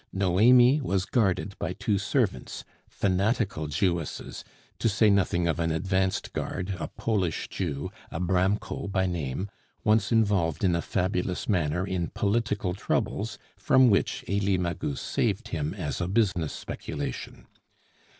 Noemi was guarded by two servants, fanatical Jewesses, to say nothing of an advanced guard, a Polish Jew, Abramko by name, once involved in a fabulous manner in political troubles, from which Elie Magus saved him as a business speculation.